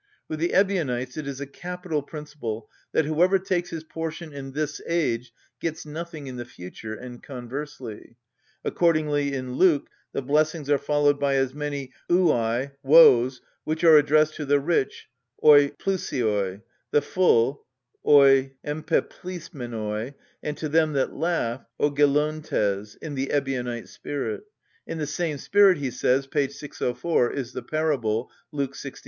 With the Ebionites it is a capital principle that whoever takes his portion in this age gets nothing in the future, and conversely. Accordingly in Luke the blessings are followed by as many ουαι, woes, which are addressed to the rich, οἱ πλουσιοι, the full, οἱ εμπεπλησμενοι, and to them that laugh, οἱ γελωντες, in the Ebionite spirit. In the same spirit, he says, p. 604, is the parable (Luke xvi.